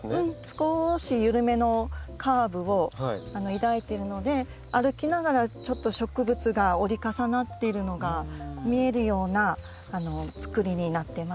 少し緩めのカーブを抱いてるので歩きながらちょっと植物が折り重なっているのが見えるようなつくりになってます。